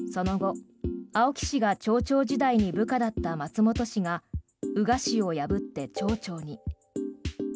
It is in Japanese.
その後、青木氏が町長時代に部下だった松本氏が宇賀氏を破って町長に。